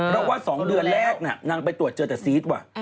เพราะว่า๒เดือนแรกนางไปตรวจเจอแต่ซีสว่ะ